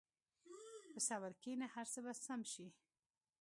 په صبر کښېنه، هر څه به سم شي.